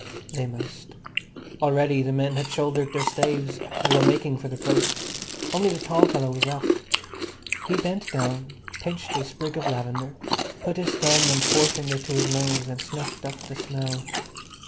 They must. Already the men had shouldered their staves and were making for the place. Only the tall fellow was left. He bent down, pinched a sprig of lavender, put his thumb and forefinger to his nose and snuffed up the smell.